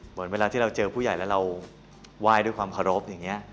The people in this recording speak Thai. เหมือนเวลาที่เราเจอผู้ใหญ่แล้วเราไหว้ด้วยความเคารพอย่างนี้